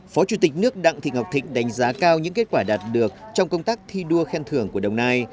phó chủ tịch nước đặng thị ngọc thịnh đánh giá cao những kết quả đạt được trong công tác thi đua khen thưởng của đồng nai